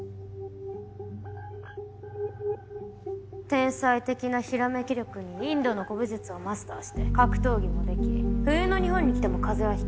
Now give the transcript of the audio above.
天才的なひらめき力にインドの古武術をマスターして格闘技もでき冬の日本に来ても風邪はひかない。